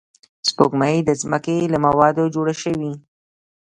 سپوږمۍ د ځمکې له موادو جوړه شوې